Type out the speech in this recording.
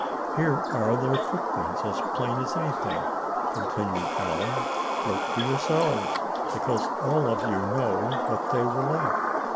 "Here are their footprints as plain as anything," continued Allan. "Look for yourselves, because all of you know what they were like.